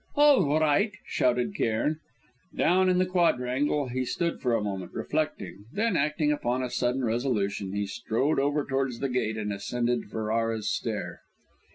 "All right," shouted Cairn. Down in the quadrangle he stood for a moment, reflecting; then, acting upon a sudden resolution, he strode over towards the gate and ascended Ferrara's stair.